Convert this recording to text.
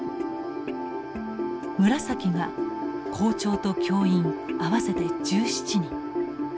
紫が校長と教員合わせて１７人。